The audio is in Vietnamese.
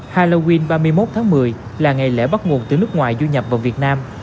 halloween ba mươi một tháng một mươi là ngày lễ bắt nguồn từ nước ngoài du nhập vào việt nam